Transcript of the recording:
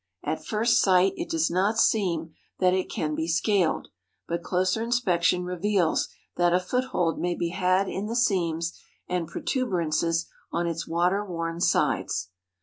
At first sight it does not seem that it can be scaled, but closer inspection reveals that a foothold may be had in the seams and protuberances on its water worn sides.